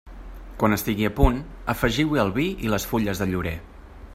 Quan estigui a punt, afegiu-hi el vi i les fulles de llorer.